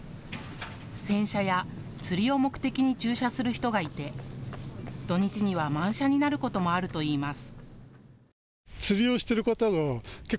洗車や釣りを目的に駐車する人がいて土日には満車になることもあるといいます。